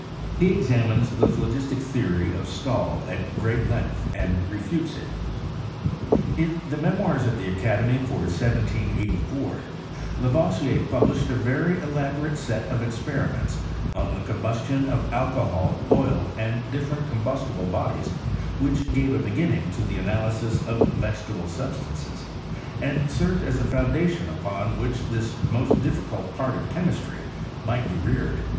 He examines the phlogistic tbeory of Stahl at great length, and refutes it. rjLo&REsa or chemistry in France. 121 In the Memoirs of the Academy, for 1784, La voisier published a very elaborate set of experiments (m the conibustioa of alcohol, oil, and different com bostible bodies, which gave a. beginning to the analysis of vegetable substances, and served as a foandation upon which this most difficult part of chemistry might be reared.